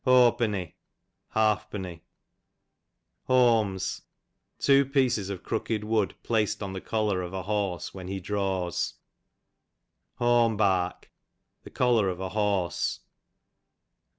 Hawpunny, half penny. Hawms, two pieces of crooked uvod placed on the collar of a horse when he draivs. Hawm bark, the collar of a horse.